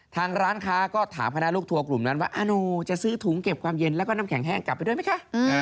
ทางร้านค้าก็ถามคณะลูกทัวร์กลุ่มนั้นว่าอาโนจะซื้อถุงเก็บความเย็นแล้วก็น้ำแข็งแห้งกลับไปด้วยไหมคะ